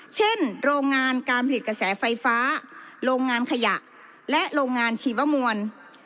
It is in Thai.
เช่นโรงงานการผลิตกระแสไฟฟ้าโรงงานขยะและโรงงานชีวมวล